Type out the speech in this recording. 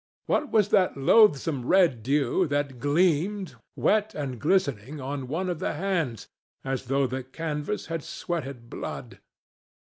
What was that loathsome red dew that gleamed, wet and glistening, on one of the hands, as though the canvas had sweated blood?